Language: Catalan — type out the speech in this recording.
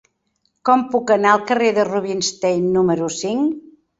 Com puc anar al carrer de Rubinstein número cinc?